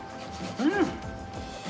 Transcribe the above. うん！